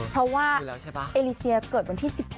เพราะว่าเอเลเซียเกิดวันที่๑๗